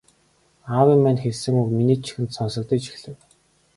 Аавын маань хэлсэн үг миний чихэнд сонсогдож эхлэв.